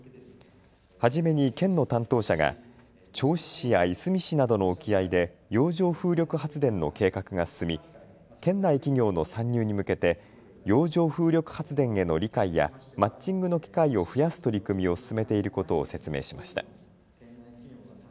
初めに県の担当者が銚子市やいすみ市などの沖合で洋上風力発電の計画が進み県内企業の参入に向けて洋上風力発電への理解やマッチングの機会を増やす取り組みを進めていることを説明しました。